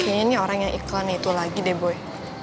kayaknya nih orang yang iklan itu lagi deh boy